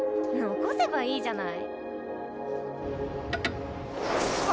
・残せばいいじゃない。